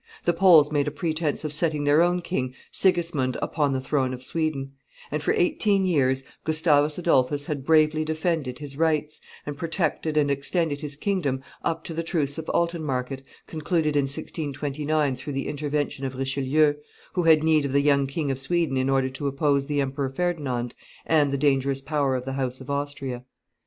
The Poles made a pretence of setting their own king, Sigismund, upon the throne of Sweden; and for eighteen years Gustavus Adolphus had bravely defended his rights, and protected and extended his kingdom up to the truce of Altenmarket, concluded in 1629 through the intervention of Richelieu, who had need of the young King of Sweden in order to oppose the Emperor Ferdinand and the dangerous power of the house of Austria.